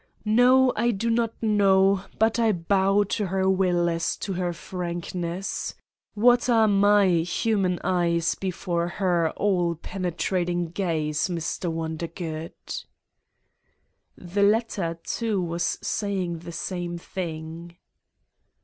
No, I do not know, but I bow to her will as to her frankness. What are my 121 Satan's Diary human eyes before her all penetrating gaze, Mr. Wondergood! ..." (The latter, too, was saying the same thing.)